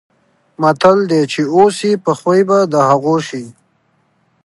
متل دی: چې اوسې په خوی به د هغو شې.